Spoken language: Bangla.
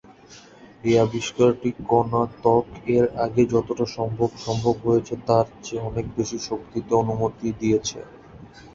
এই আবিষ্কারটি কণা ত্বক এর আগে যতটা সম্ভব সম্ভব হয়েছে তার চেয়ে অনেক বেশি শক্তিতে অনুমতি দিয়েছে।